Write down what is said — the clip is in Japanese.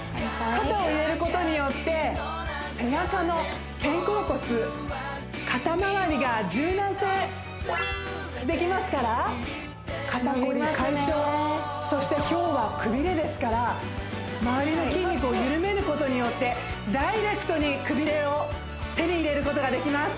肩を入れることによって背中の肩甲骨肩回りが柔軟性できますから肩こり解消そして今日はくびれですから周りの筋肉を緩めることによってダイレクトにくびれを手に入れることができます